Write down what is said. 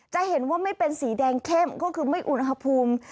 จะเห็นว่าไม่เป็นสีแดงเข้มก็คือไม่อุณหภูมิ